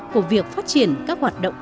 của việc phát triển các hoạt động